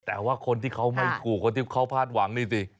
แต่ว่าคนที่เขาไม่ถูกคนที่เขาพลาดหวังนี่สิ